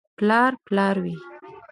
• پلار پلار وي.